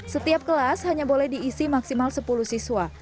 setiap kelas hanya boleh diisi maksimal sepuluh siswa